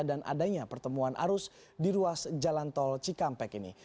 dan adanya pertemuan arus di ruas jalan tol cikampek ini